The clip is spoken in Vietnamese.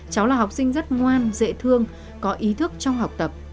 cháu là học sinh rất ngoan dễ thương có ý thức trong học tập